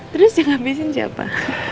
terus yang ngabisin siapa